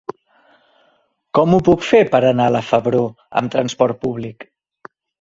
Com ho puc fer per anar a la Febró amb trasport públic?